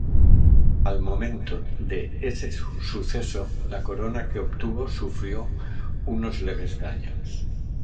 Al momento de ese suceso, la corona que obtuvo sufrió unos leves daños.